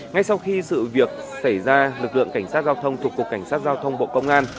ngay sau khi sự việc xảy ra lực lượng cảnh sát giao thông thuộc cục cảnh sát giao thông bộ công an